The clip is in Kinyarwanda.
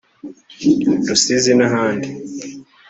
Rusizi n’ahandi